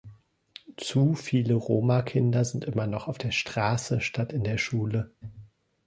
Zu viele Roma-Kinder sind immer noch auf der Straße statt in der Schule.